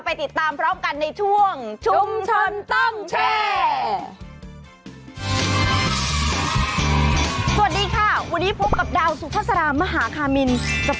ติดตามพร้อมกันในช่วงชุมชนต้องแชร์